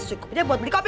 cukup aja buat beli kopi